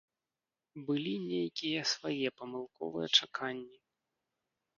Былі нейкія свае памылковыя чаканні.